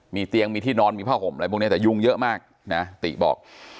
มีเตียงมีที่นอนมีผ้าห่มอะไรพวกนี้แต่ยุงเยอะมากนะติบอก